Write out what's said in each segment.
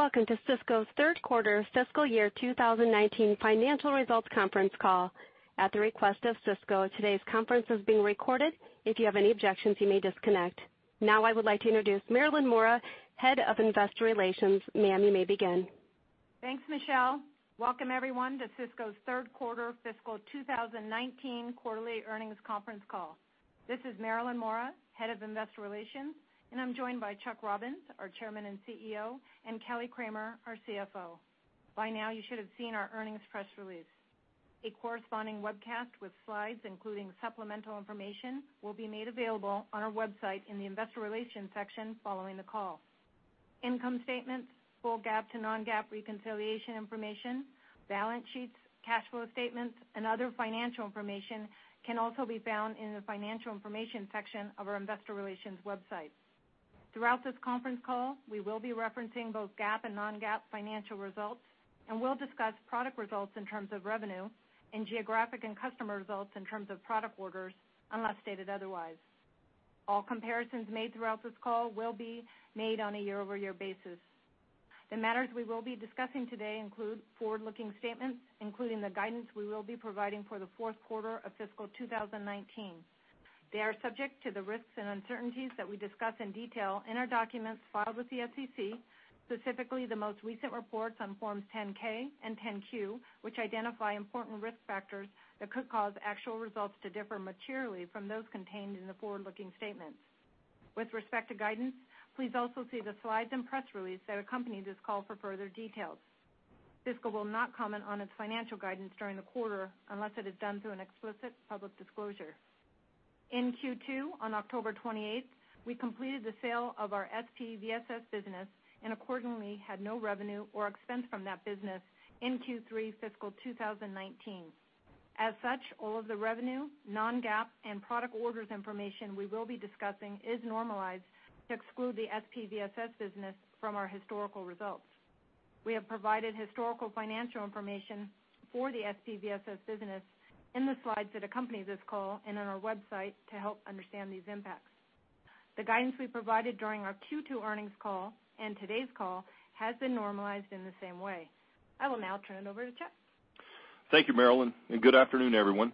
Welcome to Cisco's third quarter fiscal year 2019 financial results conference call. At the request of Cisco, today's conference is being recorded. If you have any objections, you may disconnect. Now I would like to introduce Marilyn Mora, Head of Investor Relations. Ma'am, you may begin. Thanks, Michelle. Welcome, everyone, to Cisco's third quarter fiscal 2019 quarterly earnings conference call. This is Marilyn Mora, Head of Investor Relations, and I'm joined by Chuck Robbins, our Chairman and CEO, and Kelly Kramer, our CFO. By now, you should have seen our earnings press release. A corresponding webcast with slides, including supplemental information, will be made available on our website in the Investor Relations section following the call. Income statements, full GAAP to non-GAAP reconciliation information, balance sheets, cash flow statements, and other financial information can also be found in the financial information section of our Investor Relations website. Throughout this conference call, we will be referencing both GAAP and non-GAAP financial results, and we'll discuss product results in terms of revenue and geographic and customer results in terms of product orders, unless stated otherwise. All comparisons made throughout this call will be made on a year-over-year basis. The matters we will be discussing today include forward-looking statements, including the guidance we will be providing for the fourth quarter of fiscal 2019. They are subject to the risks and uncertainties that we discuss in detail in our documents filed with the SEC, specifically the most recent reports on forms 10-K and 10-Q, which identify important risk factors that could cause actual results to differ materially from those contained in the forward-looking statements. With respect to guidance, please also see the slides and press release that accompany this call for further details. Cisco will not comment on its financial guidance during the quarter unless it is done through an explicit public disclosure. In Q2, on October 28th, we completed the sale of our SPVSS business and accordingly had no revenue or expense from that business in Q3 fiscal 2019. As such, all of the revenue, non-GAAP, and product orders information we will be discussing is normalized to exclude the SPVSS business from our historical results. We have provided historical financial information for the SPVSS business in the slides that accompany this call and on our website to help understand these impacts. The guidance we provided during our Q2 earnings call and today's call has been normalized in the same way. I will now turn it over to Chuck. Thank you, Marilyn. Good afternoon, everyone.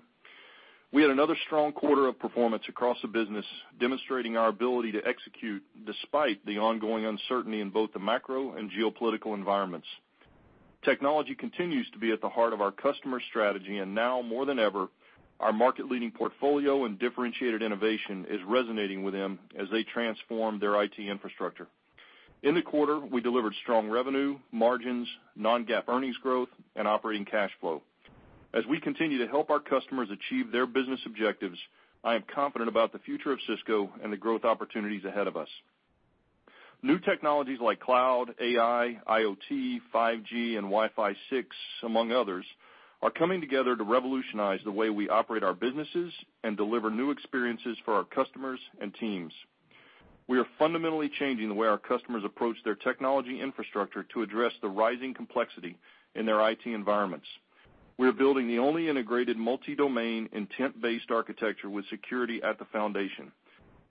We had another strong quarter of performance across the business, demonstrating our ability to execute despite the ongoing uncertainty in both the macro and geopolitical environments. Technology continues to be at the heart of our customer strategy. Now more than ever, our market-leading portfolio and differentiated innovation is resonating with them as they transform their IT infrastructure. In the quarter, we delivered strong revenue, margins, non-GAAP earnings growth, and operating cash flow. As we continue to help our customers achieve their business objectives, I am confident about the future of Cisco and the growth opportunities ahead of us. New technologies like cloud, AI, IoT, 5G, and Wi-Fi 6, among others, are coming together to revolutionize the way we operate our businesses and deliver new experiences for our customers and teams. We are fundamentally changing the way our customers approach their technology infrastructure to address the rising complexity in their IT environments. We are building the only integrated multi-domain intent-based architecture with security at the foundation.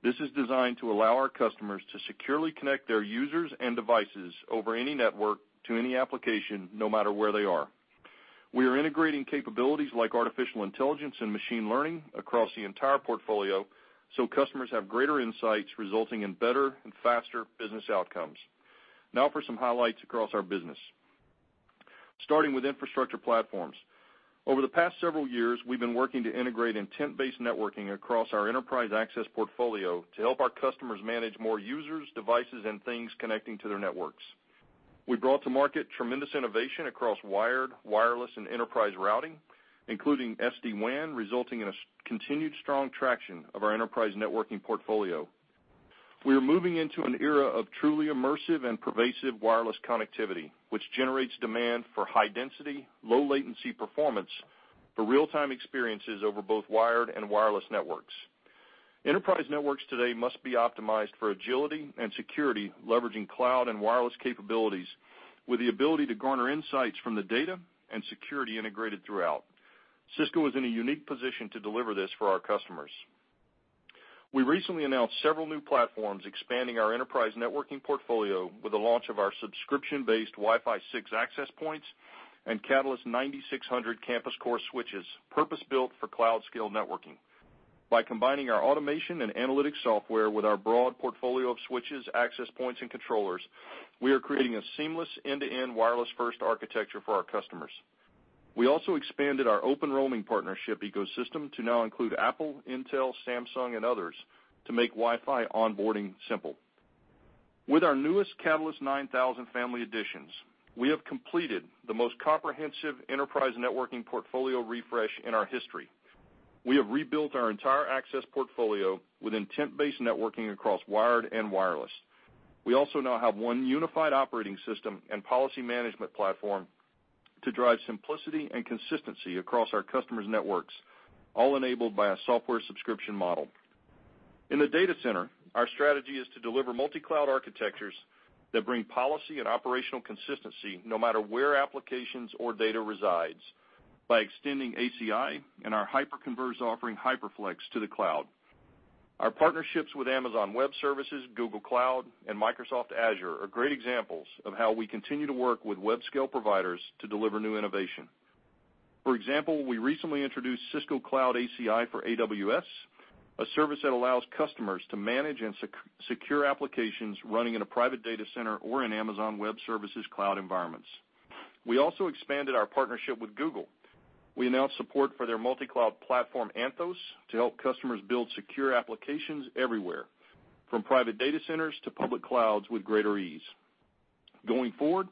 This is designed to allow our customers to securely connect their users and devices over any network to any application, no matter where they are. We are integrating capabilities like artificial intelligence and machine learning across the entire portfolio so customers have greater insights, resulting in better and faster business outcomes. Now for some highlights across our business. Starting with infrastructure platforms. Over the past several years, we've been working to integrate intent-based networking across our enterprise access portfolio to help our customers manage more users, devices, and things connecting to their networks. We brought to market tremendous innovation across wired, wireless, and enterprise routing, including SD-WAN, resulting in a continued strong traction of our enterprise networking portfolio. We are moving into an era of truly immersive and pervasive wireless connectivity, which generates demand for high density, low latency performance for real-time experiences over both wired and wireless networks. Enterprise networks today must be optimized for agility and security, leveraging cloud and wireless capabilities with the ability to garner insights from the data and security integrated throughout. Cisco is in a unique position to deliver this for our customers. We recently announced several new platforms expanding our enterprise networking portfolio with the launch of our subscription-based Wi-Fi 6 access points and Catalyst 9600 Campus Core switches, purpose-built for cloud scale networking. By combining our automation and analytics software with our broad portfolio of switches, access points, and controllers, we are creating a seamless end-to-end wireless first architecture for our customers. We also expanded our open roaming partnership ecosystem to now include Apple, Intel, Samsung, and others to make Wi-Fi onboarding simple. With our newest Catalyst 9000 family additions, we have completed the most comprehensive enterprise networking portfolio refresh in our history. We have rebuilt our entire access portfolio with intent-based networking across wired and wireless. We also now have one unified operating system and policy management platform to drive simplicity and consistency across our customers' networks, all enabled by a software subscription model. In the data center, our strategy is to deliver multi-cloud architectures that bring policy and operational consistency, no matter where applications or data resides, by extending ACI and our hyperconverged offering, HyperFlex, to the cloud. Our partnerships with Amazon Web Services, Google Cloud, and Microsoft Azure are great examples of how we continue to work with web-scale providers to deliver new innovation. For example, we recently introduced Cisco Cloud ACI for AWS, a service that allows customers to manage and secure applications running in a private data center or in Amazon Web Services cloud environments. We also expanded our partnership with Google. We announced support for their multi-cloud platform, Anthos, to help customers build secure applications everywhere, from private data centers to public clouds, with greater ease. Going forward,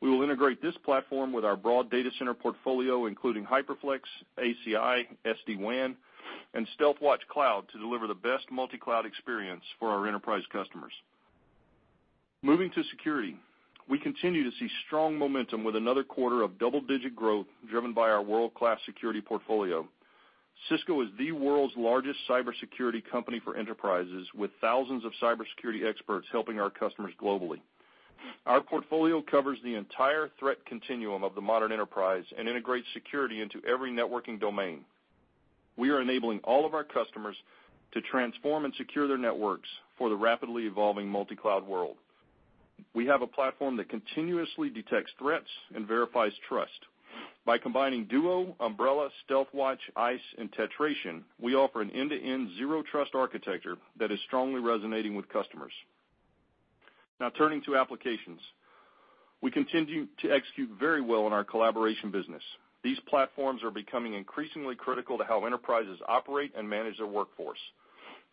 we will integrate this platform with our broad data center portfolio, including HyperFlex, ACI, SD-WAN, and Stealthwatch Cloud, to deliver the best multi-cloud experience for our enterprise customers. Moving to security, we continue to see strong momentum with another quarter of double-digit growth driven by our world-class security portfolio. Cisco is the world's largest cybersecurity company for enterprises with thousands of cybersecurity experts helping our customers globally. Our portfolio covers the entire threat continuum of the modern enterprise and integrates security into every networking domain. We are enabling all of our customers to transform and secure their networks for the rapidly evolving multi-cloud world. We have a platform that continuously detects threats and verifies trust. By combining Duo, Umbrella, Stealthwatch, ISE, and Tetration, we offer an end-to-end zero trust architecture that is strongly resonating with customers. Now turning to applications. We continue to execute very well in our collaboration business. These platforms are becoming increasingly critical to how enterprises operate and manage their workforce.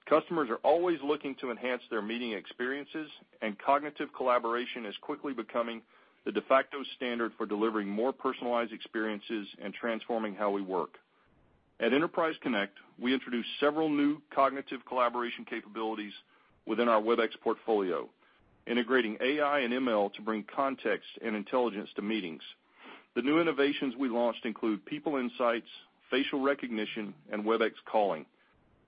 Customers are always looking to enhance their meeting experiences, and cognitive collaboration is quickly becoming the de facto standard for delivering more personalized experiences and transforming how we work. At Enterprise Connect, we introduced several new cognitive collaboration capabilities within our Webex portfolio, integrating AI and ML to bring context and intelligence to meetings. The new innovations we launched include people insights, facial recognition, and Webex Calling,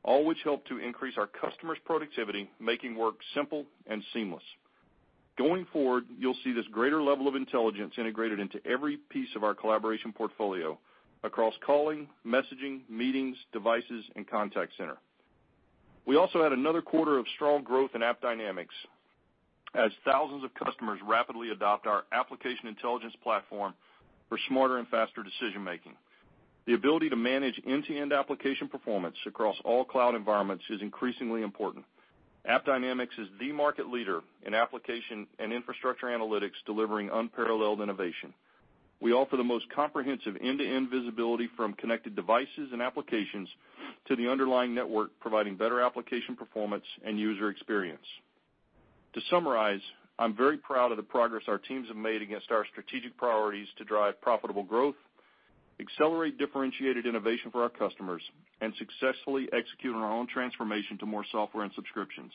all which help to increase our customers' productivity, making work simple and seamless. Going forward, you will see this greater level of intelligence integrated into every piece of our collaboration portfolio across calling, messaging, meetings, devices, and contact center. We also had another quarter of strong growth in AppDynamics as thousands of customers rapidly adopt our application intelligence platform for smarter and faster decision-making. The ability to manage end-to-end application performance across all cloud environments is increasingly important. AppDynamics is the market leader in application and infrastructure analytics delivering unparalleled innovation. We offer the most comprehensive end-to-end visibility from connected devices and applications to the underlying network, providing better application performance and user experience. To summarize, I'm very proud of the progress our teams have made against our strategic priorities to drive profitable growth, accelerate differentiated innovation for our customers, and successfully execute on our own transformation to more software and subscriptions.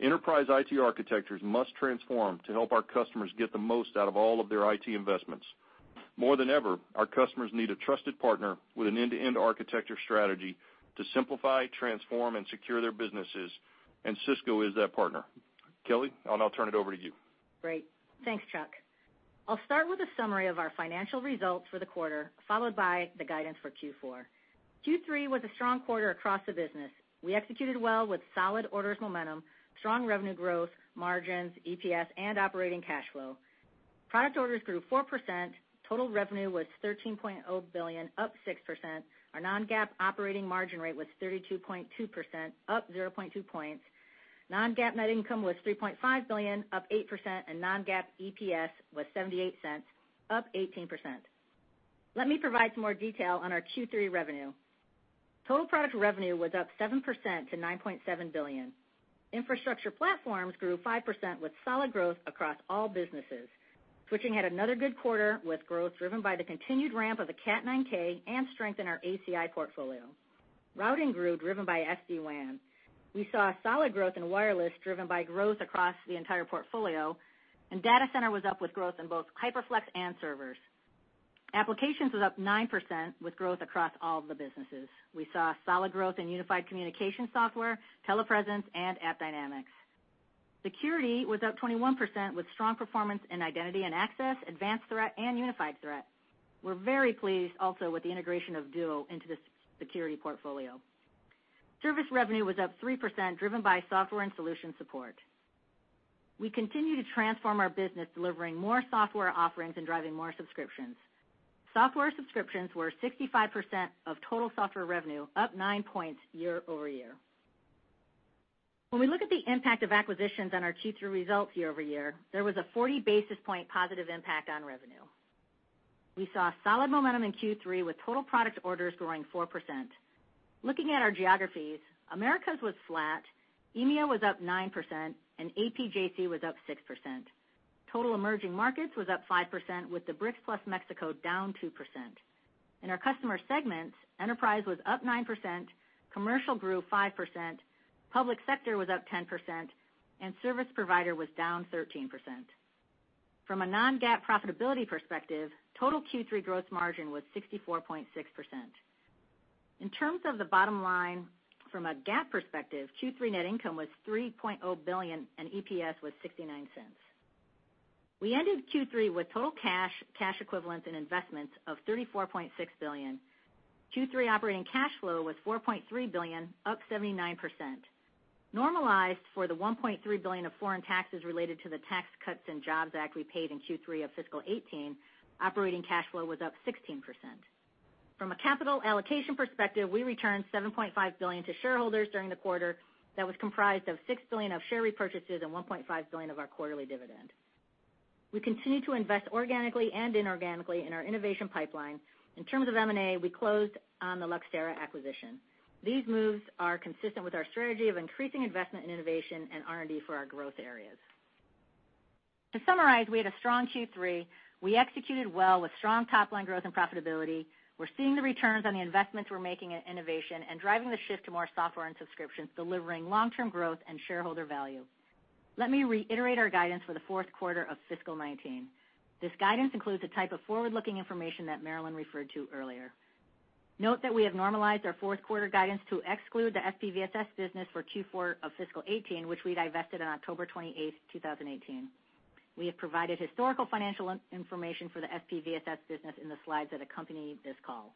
Enterprise IT architectures must transform to help our customers get the most out of all of their IT investments. More than ever, our customers need a trusted partner with an end-to-end architecture strategy to simplify, transform, and secure their businesses. Cisco is that partner. Kelly, I'll now turn it over to you. Great. Thanks, Chuck. I'll start with a summary of our financial results for the quarter, followed by the guidance for Q4. Q3 was a strong quarter across the business. We executed well with solid orders momentum, strong revenue growth, margins, EPS, and operating cash flow. Product orders grew 4%. Total revenue was $13.0 billion, up 6%. Our non-GAAP operating margin rate was 32.2%, up 0.2 points. Non-GAAP net income was $3.5 billion, up 8%, and non-GAAP EPS was $0.78, up 18%. Let me provide some more detail on our Q3 revenue. Total product revenue was up 7% to $9.7 billion. Infrastructure Platforms grew 5% with solid growth across all businesses. Switching had another good quarter with growth driven by the continued ramp of the Catalyst 9000 and strength in our ACI portfolio. Routing grew, driven by SD-WAN. We saw solid growth in wireless, driven by growth across the entire portfolio. Data center was up with growth in both HyperFlex and servers. Applications was up 9% with growth across all of the businesses. We saw solid growth in unified communication software, TelePresence, and AppDynamics. Security was up 21% with strong performance in identity and access, advanced threat, and unified threat. We're very pleased also with the integration of Duo into the security portfolio. Service revenue was up 3%, driven by software and solution support. We continue to transform our business, delivering more software offerings and driving more subscriptions. Software subscriptions were 65% of total software revenue, up 9 points year-over-year. When we look at the impact of acquisitions on our Q3 results year-over-year, there was a 40 basis point positive impact on revenue. We saw solid momentum in Q3 with total product orders growing 4%. Looking at our geographies, Americas was flat. EMEA was up 9%. APJC was up 6%. Total emerging markets was up 5% with the BRICS plus Mexico down 2%. In our customer segments, Enterprise was up 9%, Commercial grew 5%, Public Sector was up 10%. Service Provider was down 13%. From a non-GAAP profitability perspective, total Q3 growth margin was 64.6%. In terms of the bottom line from a GAAP perspective, Q3 net income was $3.0 billion and EPS was $0.69. We ended Q3 with total cash equivalents and investments of $34.6 billion. Q3 operating cash flow was $4.3 billion, up 79%. Normalized for the $1.3 billion of foreign taxes related to the Tax Cuts and Jobs Act we paid in Q3 of fiscal 2018, operating cash flow was up 16%. From a capital allocation perspective, we returned $7.5 billion to shareholders during the quarter. That was comprised of $6 billion of share repurchases and $1.5 billion of our quarterly dividend. We continue to invest organically and inorganically in our innovation pipeline. In terms of M&A, we closed on the Luxtera acquisition. These moves are consistent with our strategy of increasing investment in innovation and R&D for our growth areas. To summarize, we had a strong Q3. We executed well with strong top-line growth and profitability. We're seeing the returns on the investments we're making in innovation and driving the shift to more software and subscriptions, delivering long-term growth and shareholder value. Let me reiterate our guidance for the fourth quarter of fiscal 2019. This guidance includes a type of forward-looking information that Marilyn referred to earlier. Note that we have normalized our fourth quarter guidance to exclude the SPVSS business for Q4 of fiscal 2018, which we divested on October 28th, 2018. We have provided historical financial information for the SPVSS business in the slides that accompany this call.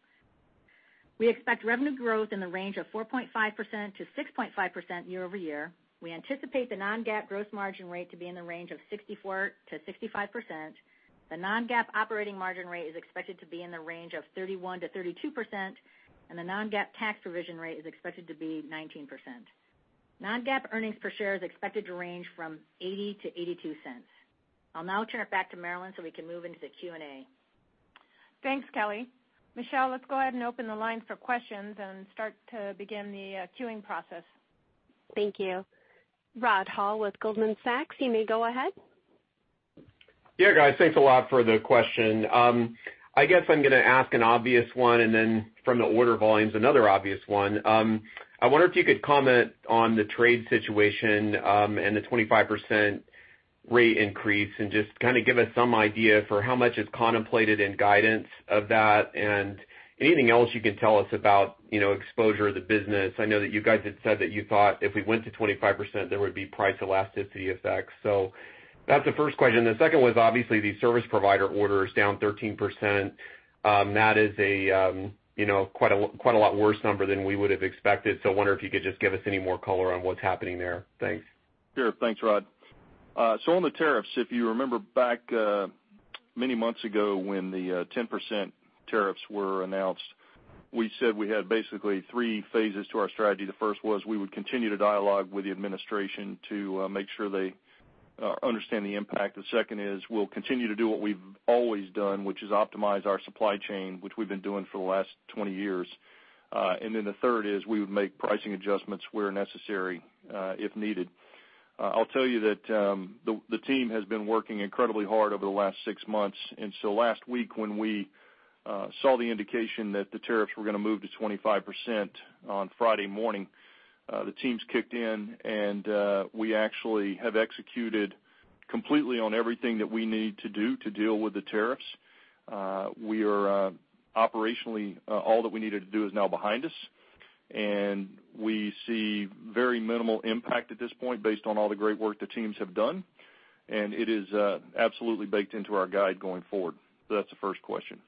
We expect revenue growth in the range of 4.5%-6.5% year-over-year. We anticipate the non-GAAP gross margin rate to be in the range of 64%-65%. The non-GAAP operating margin rate is expected to be in the range of 31%-32%, and the non-GAAP tax provision rate is expected to be 19%. Non-GAAP earnings per share is expected to range from $0.80-$0.82. I'll now turn it back to Marilyn so we can move into the Q&A. Thanks, Kelly. Michelle, let's go ahead and open the lines for questions and start to begin the queuing process. Thank you. Rod Hall with Goldman Sachs, you may go ahead. Yeah, guys, thanks a lot for the question. I guess I'm going to ask an obvious one, then from the order volumes, another obvious one. I wonder if you could comment on the trade situation, and the 25% rate increase just kind of give us some idea for how much is contemplated in guidance of that and anything else you can tell us about exposure of the business. I know that you guys had said that you thought if we went to 25%, there would be price elasticity effects. That's the first question. The second was obviously the service provider order is down 13%. That is quite a lot worse number than we would have expected. I wonder if you could just give us any more color on what's happening there. Thanks. Sure. Thanks, Rod. On the tariffs, if you remember back many months ago when the 10% tariffs were announced, we said we had basically three phases to our strategy. The first was we would continue to dialogue with the administration to make sure they understand the impact. The second is we'll continue to do what we've always done, which is optimize our supply chain, which we've been doing for the last 20 years. The third is we would make pricing adjustments where necessary, if needed. I'll tell you that the team has been working incredibly hard over the last six months. Last week, when we saw the indication that the tariffs were going to move to 25% on Friday morning, the teams kicked in, and we actually have executed completely on everything that we need to do to deal with the tariffs. We are operationally, all that we needed to do is now behind us, and we see very minimal impact at this point based on all the great work the teams have done, and it is absolutely baked into our guide going forward. That's the first question.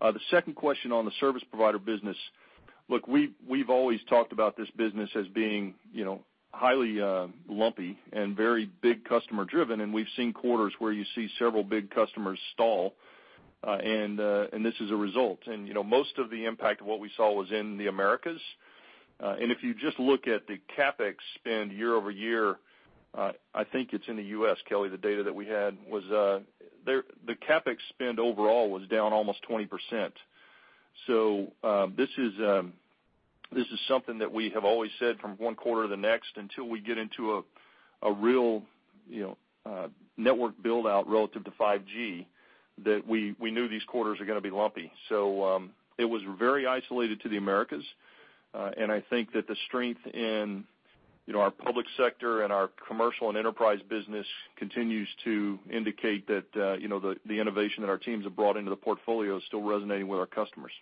The second question on the service provider business. Look, we've always talked about this business as being highly lumpy and very big customer driven, and we've seen quarters where you see several big customers stall, and this is a result. Most of the impact of what we saw was in the Americas. If you just look at the CapEx spend year-over-year, I think it's in the U.S., Kelly, the data that we had was, the CapEx spend overall was down almost 20%. This is something that we have always said from one quarter to the next until we get into a real network build-out relative to 5G, that we knew these quarters are going to be lumpy. It was very isolated to the Americas. I think that the strength in our public sector and our commercial and enterprise business continues to indicate that the innovation that our teams have brought into the portfolio is still resonating with our customers.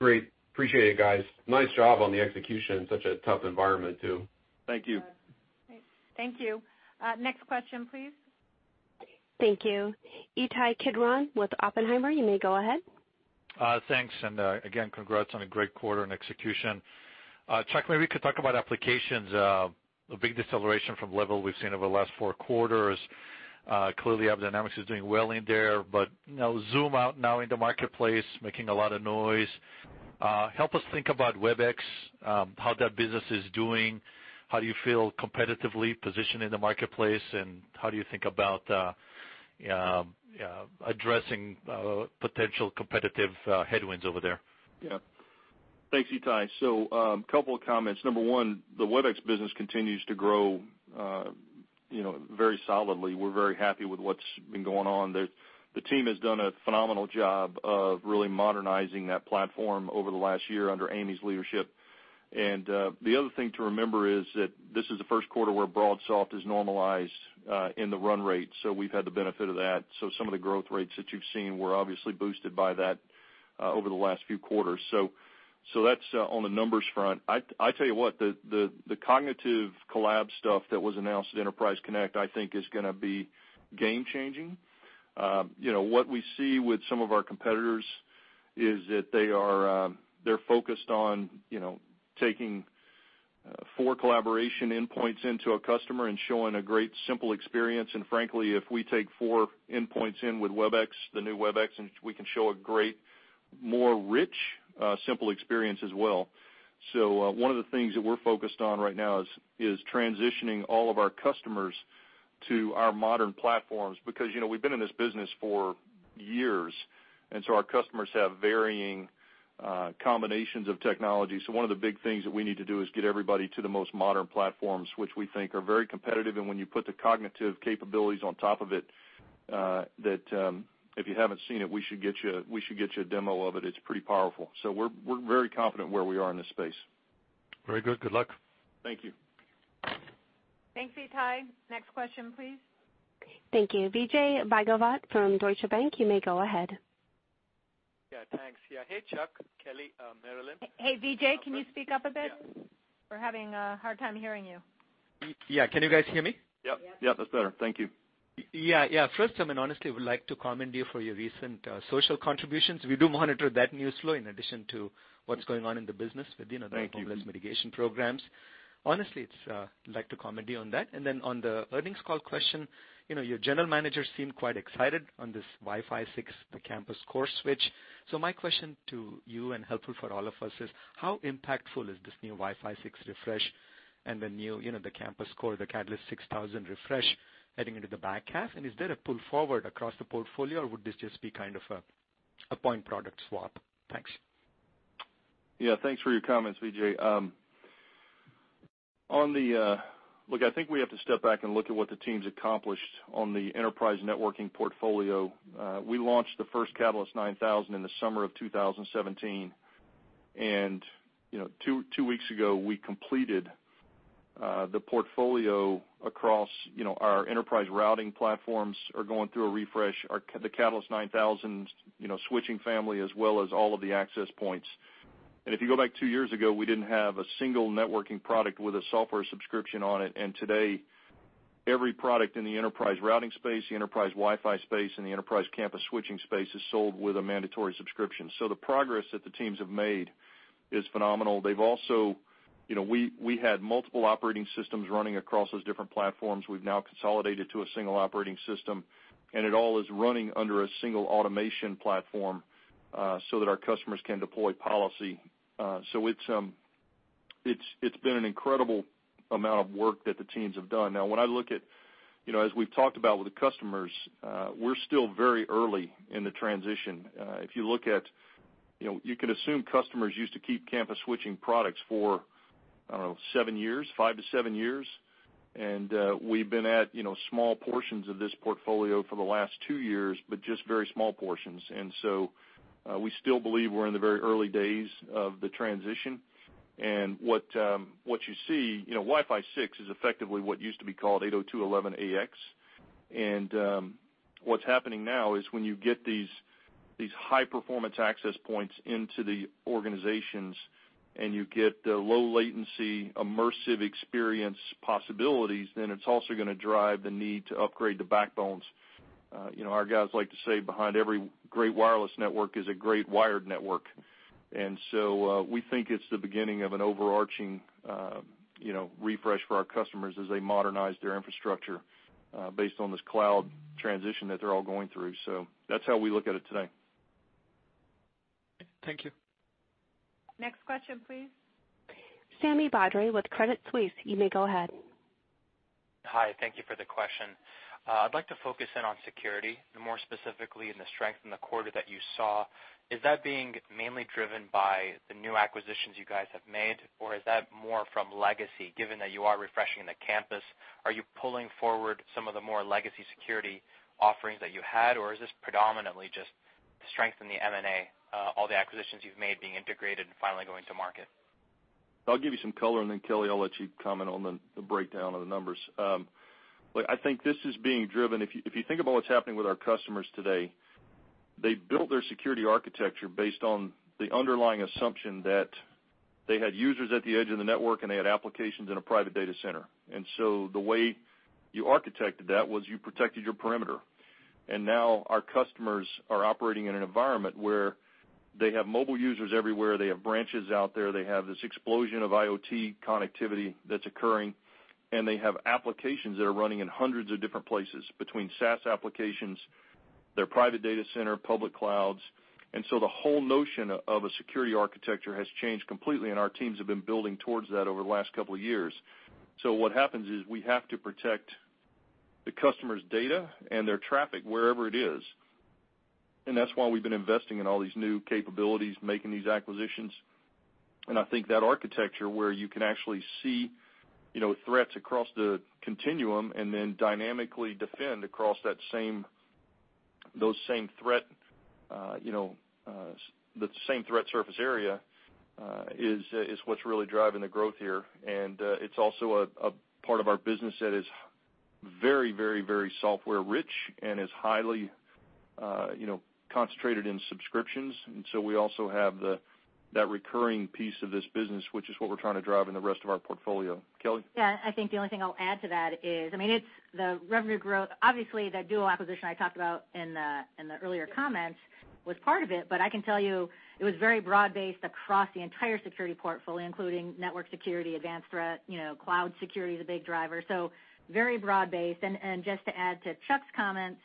Great. Appreciate it, guys. Nice job on the execution. Such a tough environment, too. Thank you. Thank you. Next question, please. Thank you. Ittai Kidron with Oppenheimer, you may go ahead. Thanks. Again, congrats on a great quarter and execution. Chuck, maybe we could talk about applications, a big deceleration from level we've seen over the last four quarters. Clearly, AppDynamics is doing well in there. Zoom out now in the marketplace, making a lot of noise. Help us think about Webex, how that business is doing, how do you feel competitively positioned in the marketplace, and how do you think about addressing potential competitive headwinds over there? Yeah. Thanks, Ittai. A couple of comments. Number one, the Webex business continues to grow very solidly. We're very happy with what's been going on. The team has done a phenomenal job of really modernizing that platform over the last year under Amy's leadership. The other thing to remember is that this is the first quarter where BroadSoft is normalized in the run rate. We've had the benefit of that. Some of the growth rates that you've seen were obviously boosted by that over the last few quarters. That's on the numbers front. I tell you what, the cognitive collab stuff that was announced at Enterprise Connect, I think is going to be game changing. What we see with some of our competitors is that they're focused on taking four collaboration endpoints into a customer and showing a great simple experience. Frankly, if we take four endpoints in with Webex, the new Webex, and we can show a great, more rich, simple experience as well. One of the things that we're focused on right now is transitioning all of our customers to our modern platforms because we've been in this business for years. Our customers have varying combinations of technology. One of the big things that we need to do is get everybody to the most modern platforms, which we think are very competitive. When you put the cognitive capabilities on top of it, that if you haven't seen it, we should get you a demo of it. It's pretty powerful. We're very confident where we are in this space. Very good. Good luck. Thank you. Thanks, Ittai. Next question, please. Thank you. Vijay Bhagavath from Deutsche Bank, you may go ahead. Yeah, thanks. Hey, Chuck, Kelly, Marilyn. Hey, Vijay, can you speak up a bit? Yeah. We're having a hard time hearing you. Yeah, can you guys hear me? Yep. That's better. Thank you. Yeah. First, I honestly would like to commend you for your recent social contributions. We do monitor that news flow in addition to what's going on in the business with Thank you mobile mitigation programs. Honestly, I'd like to commend you on that. On the earnings call question, your general manager seemed quite excited on this Wi-Fi 6, the campus core switch. My question to you, and helpful for all of us, is how impactful is this new Wi-Fi 6 refresh and the new campus core, the Catalyst 6000 refresh heading into the back half? Is there a pull forward across the portfolio, or would this just be kind of a point product swap? Thanks. Yeah, thanks for your comments, Vijay. Look, I think we have to step back and look at what the team's accomplished on the enterprise networking portfolio. We launched the first Catalyst 9000 in the summer of 2017. Two weeks ago, we completed the portfolio across our enterprise routing platforms are going through a refresh. The Catalyst 9000 switching family, as well as all of the access points. If you go back two years ago, we didn't have a single networking product with a software subscription on it. Today, every product in the enterprise routing space, the enterprise Wi-Fi space, and the enterprise campus switching space is sold with a mandatory subscription. The progress that the teams have made is phenomenal. We had multiple operating systems running across those different platforms. We've now consolidated to a single operating system, it all is running under a single automation platform, that our customers can deploy policy. It's been an incredible amount of work that the teams have done. When I look at, as we've talked about with the customers, we're still very early in the transition. If you look at, you could assume customers used to keep campus switching products for, I don't know, seven years, 5 to 7 years. We've been at small portions of this portfolio for the last 2 years, but just very small portions. We still believe we're in the very early days of the transition. What you see, Wi-Fi 6 is effectively what used to be called 802.11ax. What's happening now is when you get these high-performance access points into the organizations and you get the low latency, immersive experience possibilities, it's also going to drive the need to upgrade the backbones. Our guys like to say behind every great wireless network is a great wired network. We think it's the beginning of an overarching refresh for our customers as they modernize their infrastructure based on this cloud transition that they're all going through. That's how we look at it today. Thank you. Next question, please. Sami Badri with Credit Suisse. You may go ahead. Hi. Thank you for the question. I'd like to focus in on security, more specifically in the strength in the quarter that you saw. Is that being mainly driven by the new acquisitions you guys have made, or is that more from legacy, given that you are refreshing the campus? Are you pulling forward some of the more legacy security offerings that you had, or is this predominantly just strength in the M&A, all the acquisitions you've made being integrated and finally going to market? I'll give you some color, then Kelly, I'll let you comment on the breakdown of the numbers. Look, I think this is being driven, if you think about what's happening with our customers today, they built their security architecture based on the underlying assumption that they had users at the edge of the network, and they had applications in a private data center. The way you architected that was you protected your perimeter. Now our customers are operating in an environment where they have mobile users everywhere, they have branches out there, they have this explosion of IoT connectivity that's occurring, and they have applications that are running in hundreds of different places between SaaS applications, their private data center, public clouds. The whole notion of a security architecture has changed completely, and our teams have been building towards that over the last couple of years. What happens is we have to protect the customer's data and their traffic wherever it is. That's why we've been investing in all these new capabilities, making these acquisitions. I think that architecture where you can actually see threats across the continuum and then dynamically defend across that same threat surface area, is what's really driving the growth here. It's also a part of our business that is very, very, very software-rich and is highly concentrated in subscriptions. We also have that recurring piece of this business, which is what we're trying to drive in the rest of our portfolio. Kelly? I think the only thing I'll add to that is, the revenue growth, obviously the Duo acquisition I talked about in the earlier comments was part of it. I can tell you, it was very broad-based across the entire security portfolio, including network security, advanced threat, cloud security is a big driver. Very broad-based. Just to add to Chuck's comments,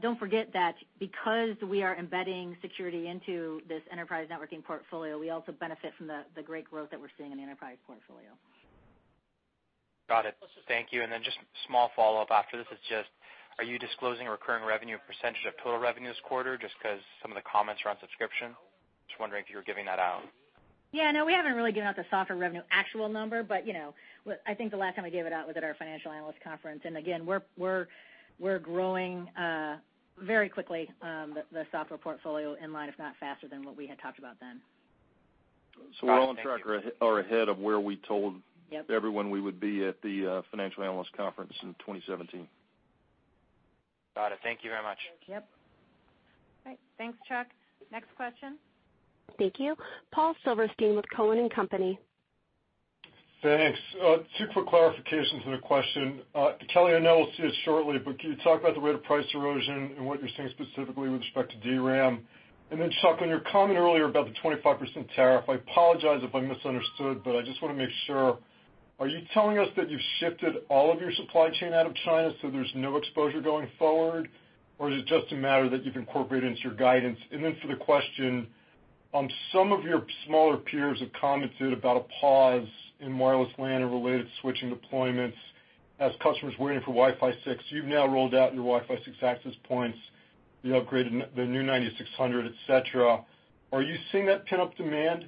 don't forget that because we are embedding security into this enterprise networking portfolio, we also benefit from the great growth that we're seeing in the enterprise portfolio. Got it. Thank you. Then just small follow-up after this is just, are you disclosing recurring revenue % of total revenue this quarter, just because some of the comments are on subscription? Just wondering if you were giving that out. No, we haven't really given out the software revenue actual number, I think the last time we gave it out was at our financial analyst conference. Again, we're growing very quickly, the software portfolio, in line, if not faster than what we had talked about then. Got it. Thank you. We're on track or ahead of where we told Yep everyone we would be at the financial analyst conference in 2017. Got it. Thank you very much. Yep. Great. Thanks, Chuck. Next question. Thank you. Paul Silverstein with Cowen and Company. Thanks. Two quick clarifications and a question. Kelly, I know we'll see it shortly, but can you talk about the rate of price erosion and what you're seeing specifically with respect to DRAM? Chuck, on your comment earlier about the 25% tariff, I apologize if I misunderstood, but I just want to make sure, are you telling us that you've shifted all of your supply chain out of China, so there's no exposure going forward? Or is it just a matter that you've incorporated into your guidance? For the question, some of your smaller peers have commented about a pause in wireless LAN and related switching deployments as customers waiting for Wi-Fi 6. You've now rolled out your Wi-Fi 6 access points, the upgraded, the new 9600, et cetera. Are you seeing that pent-up demand?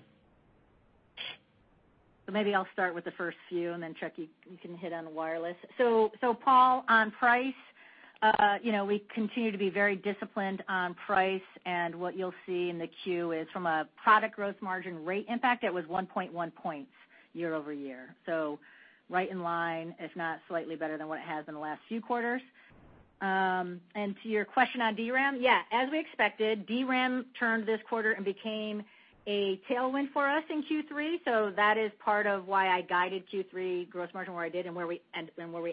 Maybe I'll start with the first few, Chuck, you can hit on the wireless. Paul, on price, we continue to be very disciplined on price. What you'll see in the queue is from a product growth margin rate impact, it was 1.1 points year-over-year. Right in line, if not slightly better than what it has in the last few quarters. To your question on DRAM, yeah, as we expected, DRAM turned this quarter and became a tailwind for us in Q3. That is part of why I guided Q3 growth margin where I did and where we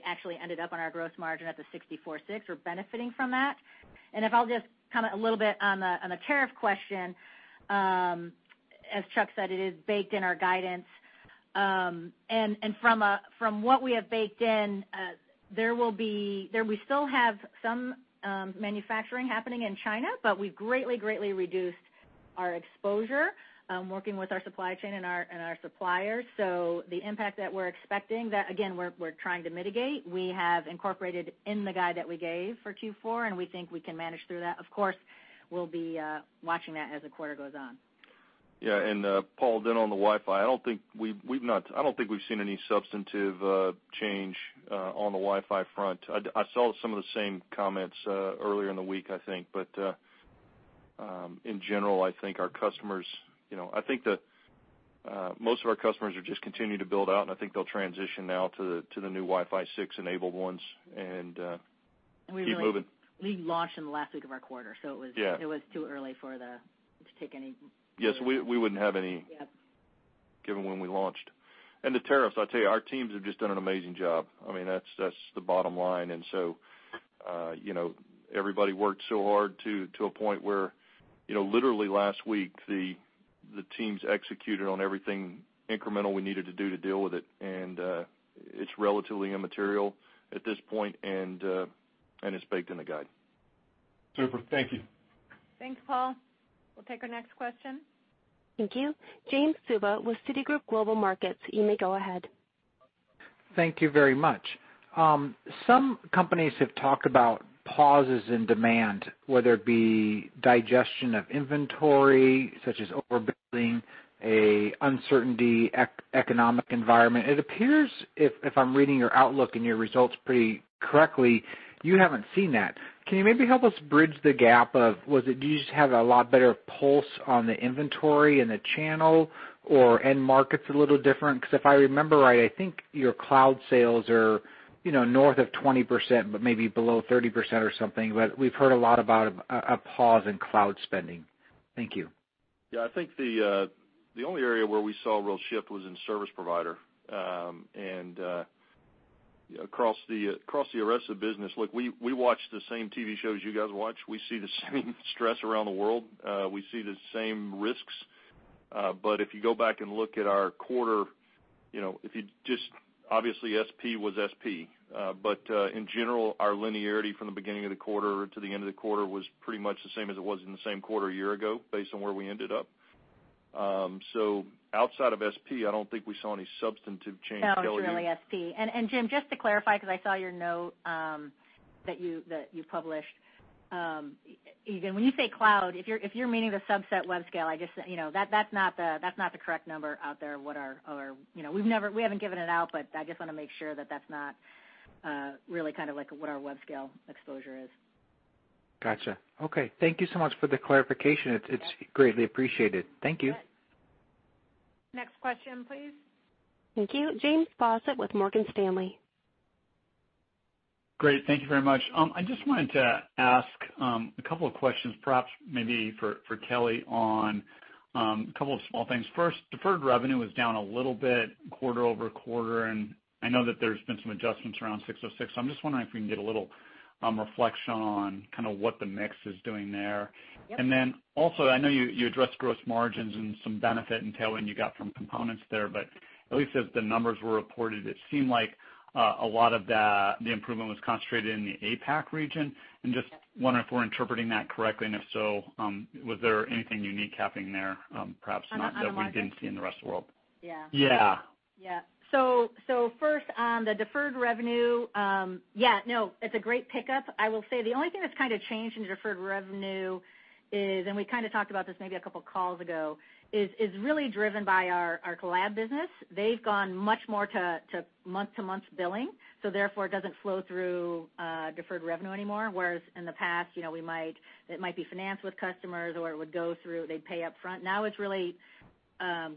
actually ended up on our growth margin at the 64.6. We're benefiting from that. If I'll just comment a little bit on the tariff question. As Chuck said, it is baked in our guidance. From what we have baked in, we still have some manufacturing happening in China, but we've greatly reduced our exposure, working with our supply chain and our suppliers. The impact that we're expecting, that again, we're trying to mitigate. We have incorporated in the guide that we gave for Q4, we think we can manage through that. Of course, we'll be watching that as the quarter goes on. Yeah. Paul, on the Wi-Fi, I don't think we've seen any substantive change on the Wi-Fi front. I saw some of the same comments earlier in the week, I think. In general, I think most of our customers are just continuing to build out, and I think they'll transition now to the new Wi-Fi 6 enabled ones and keep moving. We launched in the last week of our quarter, it was. Yeah Too early to take any. Yes, we wouldn't have any. Yep given when we launched. The tariffs, I'll tell you, our teams have just done an amazing job. That's the bottom line. Everybody worked so hard to a point where literally last week, the teams executed on everything incremental we needed to do to deal with it. It's relatively immaterial at this point, and it's baked in the guide. Super. Thank you. Thanks, Paul. We'll take our next question. Thank you. Jim Suva with Citigroup Global Markets. You may go ahead. Thank you very much. Some companies have talked about pauses in demand, whether it be digestion of inventory, such as overbuilding, a uncertainty economic environment. It appears, if I'm reading your outlook and your results pretty correctly, you haven't seen that. Can you maybe help us bridge the gap of, do you just have a lot better pulse on the inventory and the channel or end markets a little different? Because if I remember right, I think your cloud sales are north of 20%, but maybe below 30% or something. We've heard a lot about a pause in cloud spending. Thank you. Yeah, I think the only area where we saw a real shift was in Service Provider. Across the rest of the business, look, we watch the same TV shows you guys watch. We see the same stress around the world. We see the same risks. If you go back and look at our quarter, obviously SP was SP. In general, our linearity from the beginning of the quarter to the end of the quarter was pretty much the same as it was in the same quarter a year ago, based on where we ended up. Outside of SP, I don't think we saw any substantive change. Kelly? No, it's really SP. Jim, just to clarify, because I saw your note that you published. When you say cloud, if you're meaning the subset web scale, that's not the correct number out there. We haven't given it out, but I just want to make sure that that's not really what our web scale exposure is. Got you. Okay. Thank you so much for the clarification. It's greatly appreciated. Thank you. Next question, please. Thank you. James Faucette with Morgan Stanley. Great. Thank you very much. I just wanted to ask a couple of questions, perhaps maybe for Kelly on a couple of small things. First, deferred revenue was down a little bit quarter-over-quarter, and I know that there's been some adjustments around 606, so I'm just wondering if we can get a little reflection on kind of what the mix is doing there. Yep. I know you addressed gross margins and some benefit and tailwind you got from components there, but at least as the numbers were reported, it seemed like a lot of the improvement was concentrated in the APAC region. Just wonder if we're interpreting that correctly, and if so, was there anything unique happening there. On a one-off not that we didn't see in the rest of the world? Yeah. Yeah. First on the deferred revenue. No, it's a great pickup. I will say the only thing that's kind of changed in deferred revenue is, and we kind of talked about this maybe a couple of calls ago, is really driven by our collab business. They've gone much more to month-to-month billing, therefore it doesn't flow through deferred revenue anymore. Whereas in the past it might be financed with customers or it would go through, they'd pay upfront. Now it's really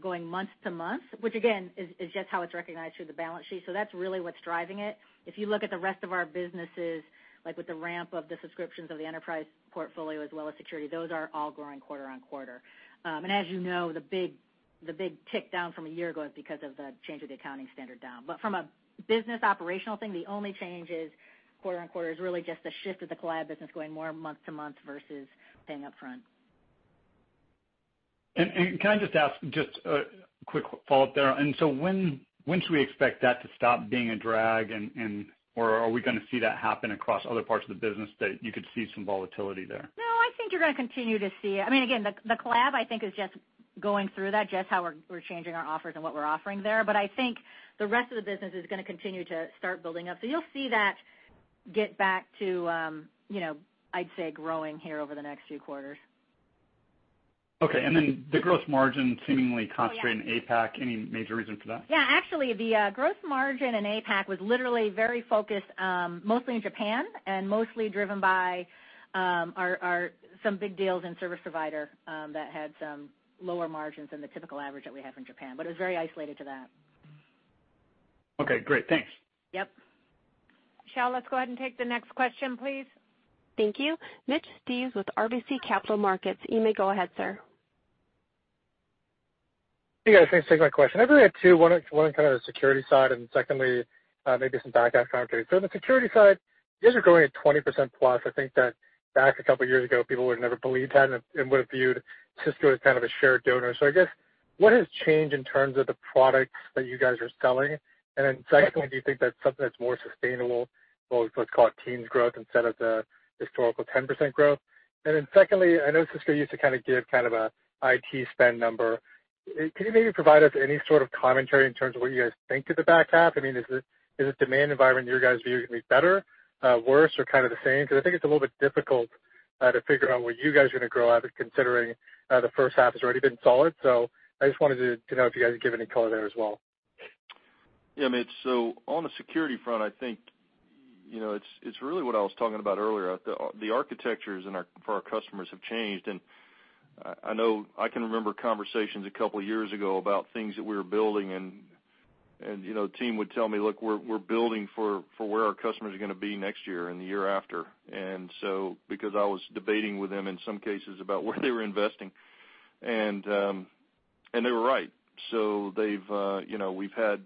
going month to month, which again, is just how it's recognized through the balance sheet. That's really what's driving it. If you look at the rest of our businesses, like with the ramp of the subscriptions of the enterprise portfolio as well as security, those are all growing quarter-on-quarter. As you know, the big tick down from a year ago is because of the change of the accounting standard down. From a business operational thing, the only change is quarter-on-quarter is really just the shift of the collab business going more month to month versus paying upfront. Can I just ask just a quick follow-up there. When should we expect that to stop being a drag and/or are we going to see that happen across other parts of the business that you could see some volatility there? No, I think you're going to continue to see it. Again, the collab I think is just going through that, just how we're changing our offers and what we're offering there. I think the rest of the business is going to continue to start building up. You'll see that get back to I'd say growing here over the next few quarters. Okay. The gross margin seemingly. Oh, yeah. concentrated in APAC, any major reason for that? Yeah, actually, the gross margin in APAC was literally very focused, mostly in Japan, and mostly driven by some big deals in service provider, that had some lower margins than the typical average that we have in Japan. It was very isolated to that. Okay, great. Thanks. Yep. Michelle, let's go ahead and take the next question, please. Thank you. Mitch Steves with RBC Capital Markets. You may go ahead, sir. Hey, guys. Thanks for taking my question. I really had two. One kind of the security side, and secondly, maybe some back half commentary. On the security side, you guys are growing at 20%+. I think that back a couple of years ago, people would have never believed that and would have viewed Cisco as kind of a share donor. I guess, what has changed in terms of the products that you guys are selling? Secondly, do you think that's something that's more sustainable, or let's call it teens growth instead of the historical 10% growth? Secondly, I know Cisco used to kind of give kind of a IT spend number. Can you maybe provide us any sort of commentary in terms of what you guys think of the back half? I mean, is the demand environment in your guys view going to be better, worse, or kind of the same? I think it's a little bit difficult to figure out what you guys are going to grow at, considering the first half has already been solid. I just wanted to know if you guys could give any color there as well. Yeah, Mitch. On the security front, I think it's really what I was talking about earlier. The architectures for our customers have changed. I know I can remember conversations a couple of years ago about things that we were building, and the team would tell me, "Look, we're building for where our customers are going to be next year and the year after." Because I was debating with them in some cases about where they were investing, and they were right. We've had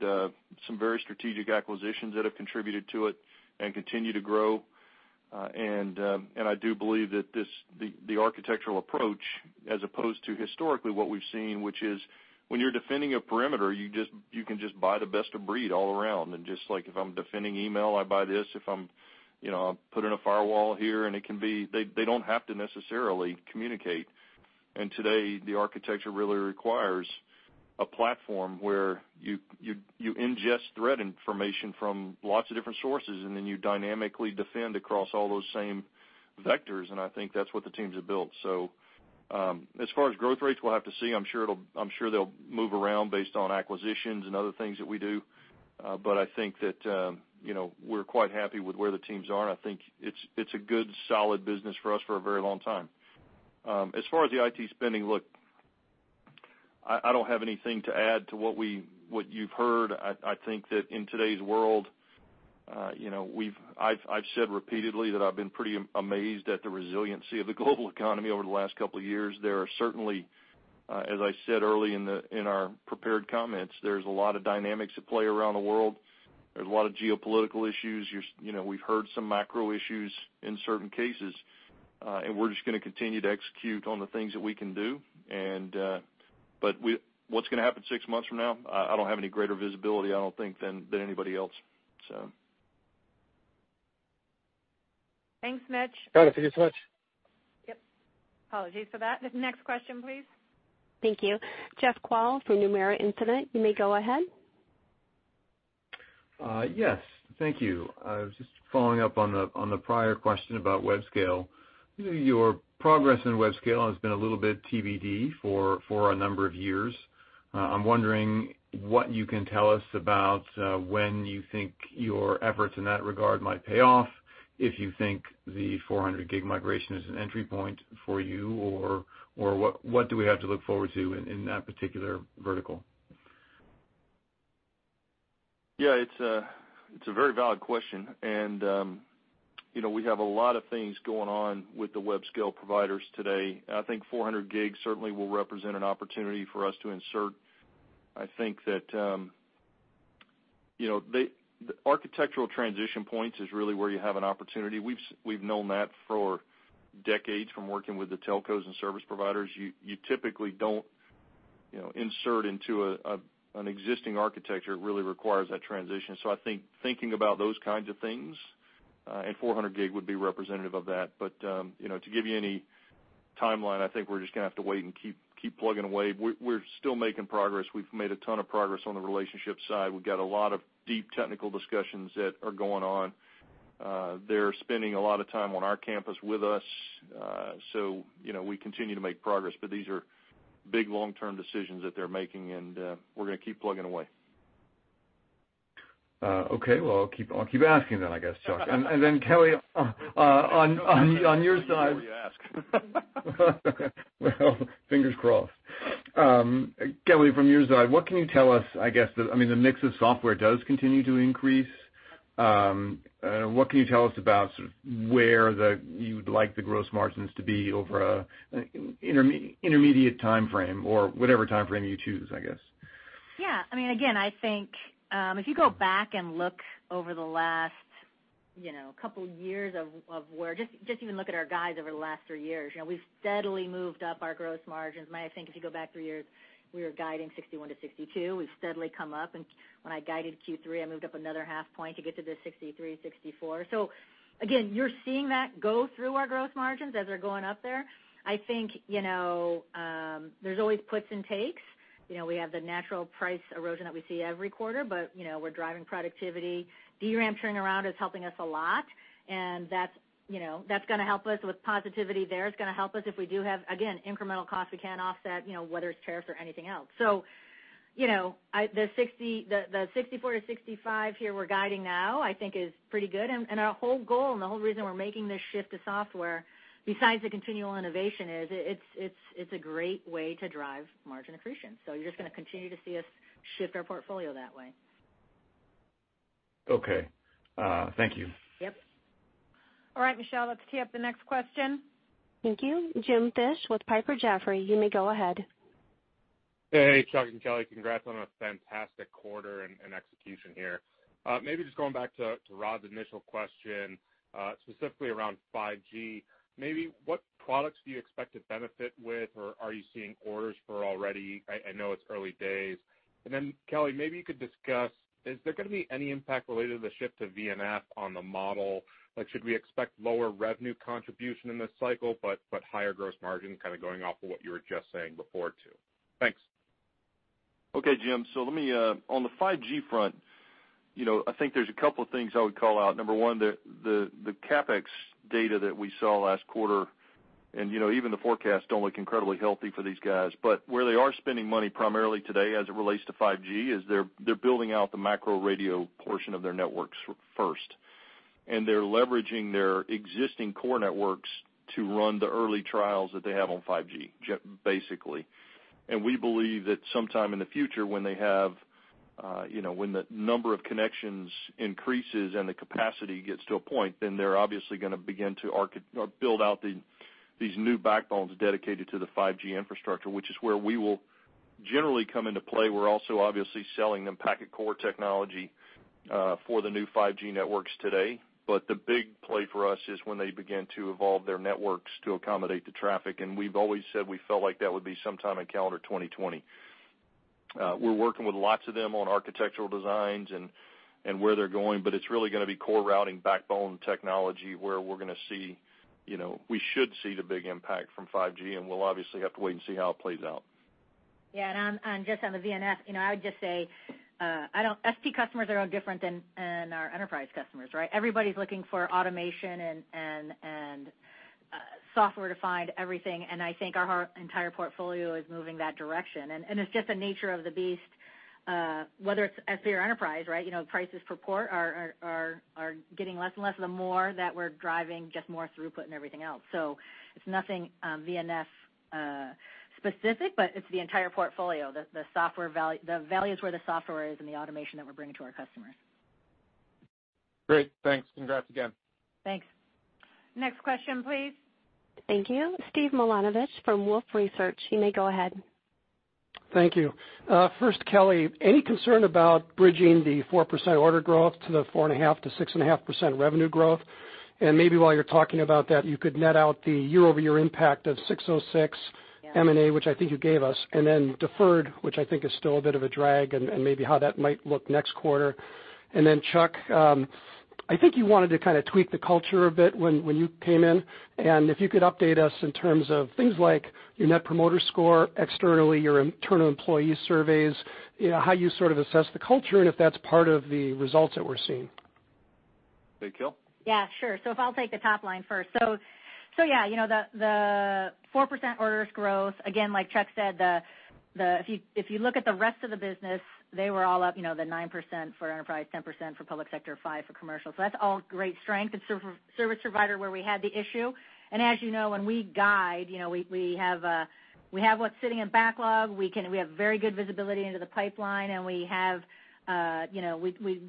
some very strategic acquisitions that have contributed to it and continue to grow. I do believe that the architectural approach, as opposed to historically what we've seen, which is when you're defending a perimeter, you can just buy the best of breed all around. Just like if I'm defending email, I buy this. If I'm putting a firewall here, they don't have to necessarily communicate. Today, the architecture really requires a platform where you ingest threat information from lots of different sources, then you dynamically defend across all those same vectors, and I think that's what the teams have built. As far as growth rates, we'll have to see. I'm sure they'll move around based on acquisitions and other things that we do. I think that we're quite happy with where the teams are, and I think it's a good, solid business for us for a very long time. As far as the IT spending, look, I don't have anything to add to what you've heard. I think that in today's world I've said repeatedly that I've been pretty amazed at the resiliency of the global economy over the last couple of years. There are certainly, as I said early in our prepared comments, there's a lot of dynamics at play around the world. There's a lot of geopolitical issues. We've heard some macro issues in certain cases. We're just going to continue to execute on the things that we can do. What's going to happen six months from now? I don't have any greater visibility, I don't think, than anybody else. Thanks, Mitch. Got it. Thank you so much. Yep. Apologies for that. Next question, please. Thank you. Jeff Kvaal from Nomura Instinet. You may go ahead. Yes. Thank you. I was just following up on the prior question about Webscale. Your progress in Webscale has been a little bit TBD for a number of years. I'm wondering what you can tell us about when you think your efforts in that regard might pay off, if you think the 400G migration is an entry point for you, or what do we have to look forward to in that particular vertical? Yeah. It's a very valid question, and we have a lot of things going on with the web scale providers today. I think 400G certainly will represent an opportunity for us to insert. I think that the architectural transition points is really where you have an opportunity. We've known that for decades from working with the telcos and service providers. You typically don't insert into an existing architecture. It really requires that transition. I think thinking about those kinds of things, and 400G would be representative of that. To give you any timeline, I think we're just going to have to wait and keep plugging away. We're still making progress. We've made a ton of progress on the relationship side. We've got a lot of deep technical discussions that are going on. They're spending a lot of time on our campus with us. We continue to make progress. These are big, long-term decisions that they're making. We're going to keep plugging away. Okay. Well, I'll keep asking then, I guess, Chuck. Kelly, on your side. I knew you were going to ask. Well, fingers crossed. Kelly, from your side, what can you tell us, I guess. The mix of software does continue to increase. What can you tell us about sort of where you'd like the gross margins to be over an intermediate timeframe or whatever timeframe you choose, I guess? I think, if you go back and look over the last couple years of where. Just even look at our guides over the last three years. We've steadily moved up our gross margins. I think if you go back three years, we were guiding 61% to 62%. We've steadily come up, and when I guided Q3, I moved up another half point to get to the 63%, 64%. Again, you're seeing that go through our growth margins as they're going up there. I think there's always puts and takes. We have the natural price erosion that we see every quarter, but we're driving productivity. DRAM turnaround is helping us a lot, and that's going to help us with positivity there. It's going to help us if we do have, again, incremental costs we can't offset, whether it's tariffs or anything else. The 64% to 65% here we're guiding now, I think is pretty good. Our whole goal, and the whole reason we're making this shift to software, besides the continual innovation, is it's a great way to drive margin accretion. You're just going to continue to see us shift our portfolio that way. Okay. Thank you. Yep. All right, Michelle, let's tee up the next question. Thank you. James Fish with Piper Jaffray, you may go ahead. Hey, Chuck and Kelly. Congrats on a fantastic quarter and execution here. Maybe just going back to Rod's initial question, specifically around 5G. Maybe what products do you expect to benefit with, or are you seeing orders for already? I know it's early days. Kelly, maybe you could discuss, is there going to be any impact related to the shift to VNF on the model? Should we expect lower revenue contribution in this cycle, but higher gross margin, kind of going off of what you were just saying before, too? Thanks. Okay, Jim. Let me, on the 5G front, I think there's a couple things I would call out. Number one, the CapEx data that we saw last quarter, and even the forecast don't look incredibly healthy for these guys. Where they are spending money primarily today, as it relates to 5G, is they're building out the macro radio portion of their networks first, and they're leveraging their existing core networks to run the early trials that they have on 5G, basically. We believe that sometime in the future when the number of connections increases and the capacity gets to a point, they're obviously going to begin to build out these new backbones dedicated to the 5G infrastructure, which is where we will generally come into play. We're also obviously selling them packet core technology for the new 5G networks today. The big play for us is when they begin to evolve their networks to accommodate the traffic, we've always said we felt like that would be sometime in calendar 2020. We're working with lots of them on architectural designs and where they're going, it's really going to be core routing backbone technology where we should see the big impact from 5G, we'll obviously have to wait and see how it plays out. Just on the VNF, I would just say SP customers are no different than our enterprise customers, right? Everybody's looking for automation and software-defined everything. I think our entire portfolio is moving that direction. It's just the nature of the beast, whether it's SP or enterprise, right, prices per port are getting less and less the more that we're driving just more throughput and everything else. It's nothing VNF specific, but it's the entire portfolio. The value is where the software is and the automation that we're bringing to our customers. Great. Thanks. Congrats again. Thanks. Next question, please. Thank you. Steven Milunovich from Wolfe Research. You may go ahead. Thank you. First, Kelly, any concern about bridging the 4% order growth to the 4.5%-6.5% revenue growth? Maybe while you're talking about that, you could net out the year-over-year impact of 606 M&A. Yeah Which I think you gave us, then deferred, which I think is still a bit of a drag, and maybe how that might look next quarter. Then, Chuck, I think you wanted to kind of tweak the culture a bit when you came in, and if you could update us in terms of things like your net promoter score externally, your internal employee surveys, how you sort of assess the culture, and if that's part of the results that we're seeing. Yeah, sure. If I'll take the top line first, the 4% orders growth, again, like Chuck said, if you look at the rest of the business, they were all up, the 9% for enterprise, 10% for public sector, 5% for commercial. That's all great strength. It's service provider where we had the issue. As you know, when we guide, we have what's sitting in backlog. We have very good visibility into the pipeline, and we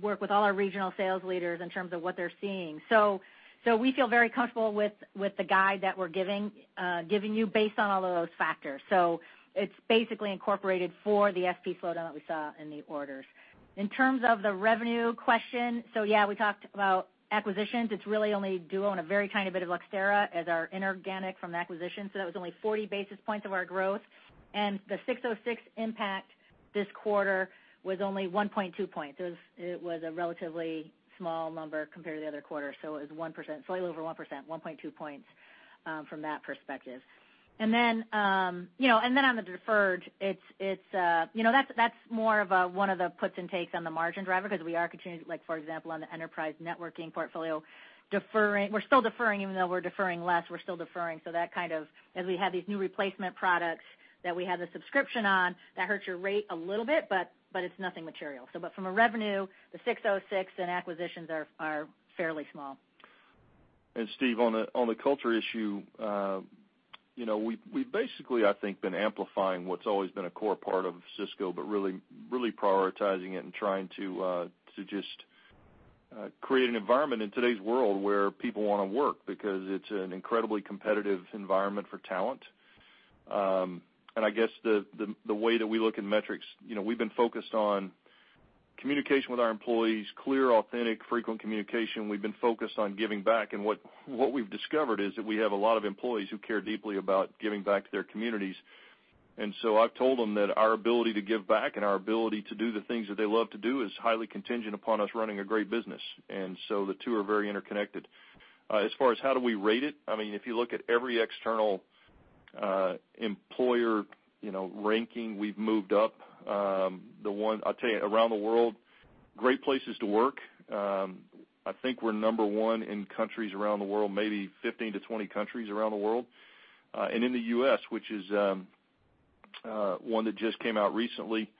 work with all our regional sales leaders in terms of what they're seeing. We feel very comfortable with the guide that we're giving you based on all of those factors. It's basically incorporated for the SP slowdown that we saw in the orders. In terms of the revenue question, we talked about acquisitions. It's really only Duo and a very tiny bit of Luxtera as our inorganic from the acquisition. That was only 40 basis points of our growth. The 606 impact this quarter was only 1.2 points. It was a relatively small number compared to the other quarter. It was slightly over 1%, 1.2 points from that perspective. Then on the deferred, that's more of one of the puts and takes on the margin driver because we are continuing, like for example, on the enterprise networking portfolio, we're still deferring even though we're deferring less, we're still deferring. As we have these new replacement products that we have the subscription on, that hurts your rate a little bit, but it's nothing material. From a revenue, the 606 and acquisitions are fairly small. Steve, on the culture issue, we basically, I think, been amplifying what's always been a core part of Cisco, but really prioritizing it and trying to just create an environment in today's world where people want to work because it's an incredibly competitive environment for talent. I guess the way that we look in metrics, we've been focused on communication with our employees, clear, authentic, frequent communication. We've been focused on giving back. What we've discovered is that we have a lot of employees who care deeply about giving back to their communities. I've told them that our ability to give back and our ability to do the things that they love to do is highly contingent upon us running a great business. The two are very interconnected. As far as how do we rate it, if you look at every external employer ranking, we've moved up. I'll tell you, around the world, great places to work. I think we're number 1 in countries around the world, maybe 15-20 countries around the world. In the U.S., which is one that just came out recently,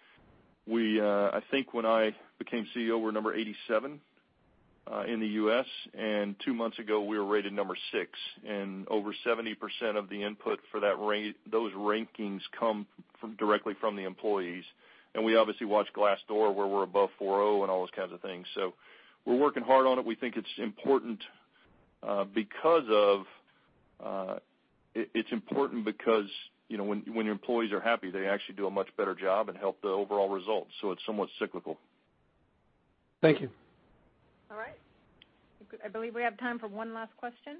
I think when I became CEO, we're number 87 in the U.S., and two months ago, we were rated number 6. Over 70% of the input for those rankings come directly from the employees. We obviously watch Glassdoor, where we're above 4.0 and all those kinds of things. We're working hard on it. We think it's important because when your employees are happy, they actually do a much better job and help the overall results. It's somewhat cyclical. Thank you. All right. I believe we have time for one last question.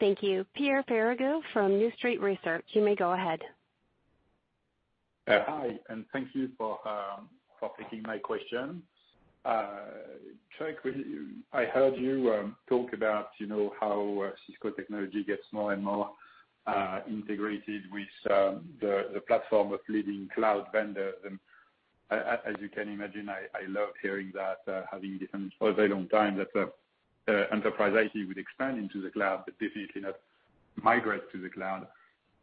Thank you. Pierre Ferragu from New Street Research. You may go ahead. Hi, thank you for taking my question. Chuck, I heard you talk about how Cisco technology gets more and more integrated with the platform of leading cloud vendors. As you can imagine, I love hearing that, having listened for a very long time that enterprise IT would expand into the cloud, but definitely not migrate to the cloud.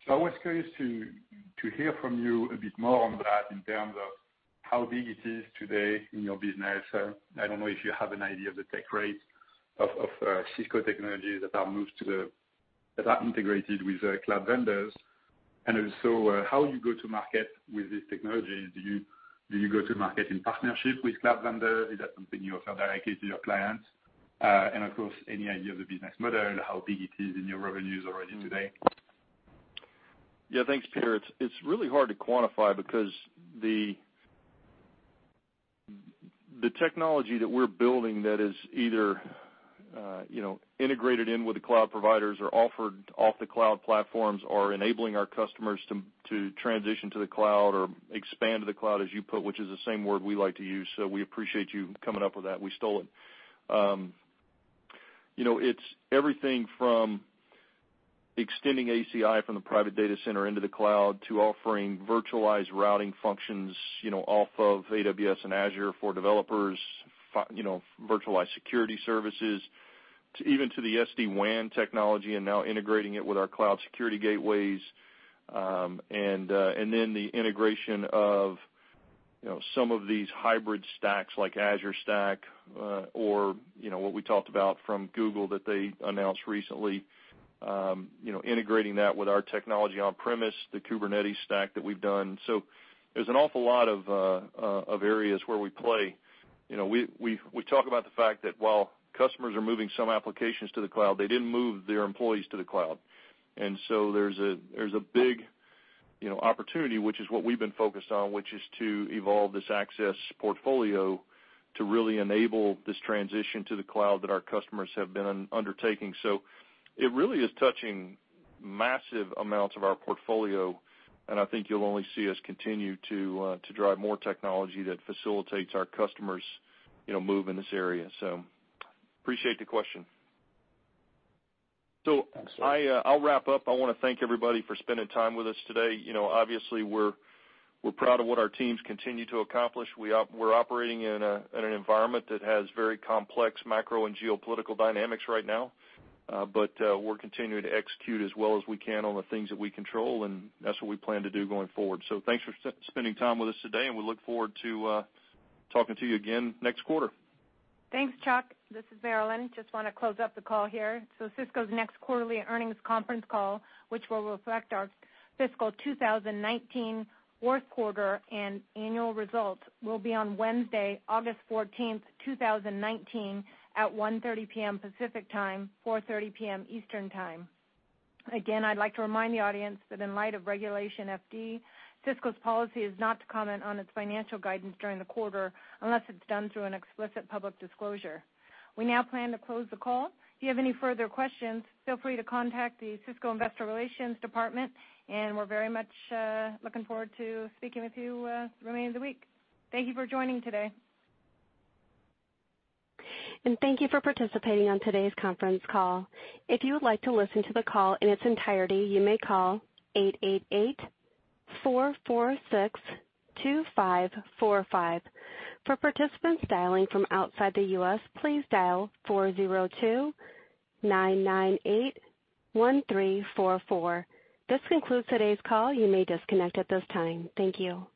I was curious to hear from you a bit more on that in terms of how big it is today in your business. I don't know if you have an idea of the take rate of Cisco technologies that are integrated with cloud vendors. Also, how you go to market with this technology. Do you go to market in partnership with cloud vendors? Is that something you offer directly to your clients? Of course, any idea of the business model and how big it is in your revenues already today? Yeah. Thanks, Pierre. It's really hard to quantify because the technology that we're building that is either integrated in with the cloud providers or offered off the cloud platforms or enabling our customers to transition to the cloud or expand to the cloud, as you put, which is the same word we like to use, so we appreciate you coming up with that. We stole it. It's everything from extending ACI from the private data center into the cloud to offering virtualized routing functions off of AWS and Azure for developers, virtualized security services, even to the SD-WAN technology and now integrating it with our cloud security gateways. The integration of some of these hybrid stacks like Azure Stack, or what we talked about from Google that they announced recently, integrating that with our technology on-premise, the Kubernetes stack that we've done. There's an awful lot of areas where we play. We talk about the fact that while customers are moving some applications to the cloud, they didn't move their employees to the cloud. There's a big opportunity, which is what we've been focused on, which is to evolve this access portfolio to really enable this transition to the cloud that our customers have been undertaking. It really is touching massive amounts of our portfolio, and I think you'll only see us continue to drive more technology that facilitates our customers' move in this area. Appreciate the question. Thanks. I'll wrap up. I want to thank everybody for spending time with us today. Obviously, we're proud of what our teams continue to accomplish. We're operating in an environment that has very complex macro and geopolitical dynamics right now. We're continuing to execute as well as we can on the things that we control, and that's what we plan to do going forward. Thanks for spending time with us today, and we look forward to talking to you again next quarter. Thanks, Chuck. This is Marilyn. Just want to close up the call here. Cisco's next quarterly earnings conference call, which will reflect our fiscal 2019 fourth quarter and annual results, will be on Wednesday, August 14th, 2019, at 1:30 P.M. Pacific Time, 4:30 P.M. Eastern Time. Again, I'd like to remind the audience that in light of Regulation FD, Cisco's policy is not to comment on its financial guidance during the quarter unless it's done through an explicit public disclosure. We now plan to close the call. If you have any further questions, feel free to contact the Cisco Investor Relations Department, we're very much looking forward to speaking with you the remainder of the week. Thank you for joining today. Thank you for participating on today's conference call. If you would like to listen to the call in its entirety, you may call 888-446-2545. For participants dialing from outside the U.S., please dial 402-998-1344. This concludes today's call. You may disconnect at this time. Thank you.